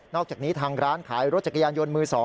อกจากนี้ทางร้านขายรถจักรยานยนต์มือ๒